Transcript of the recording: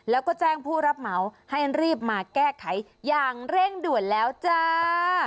แล้วก็แจ้งผู้รับเหมาให้รีบมาแก้ไขอย่างเร่งด่วนแล้วจ้า